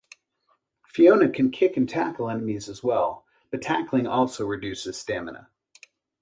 Fiona can kick and tackle enemies as well, but tackling also reduces stamina.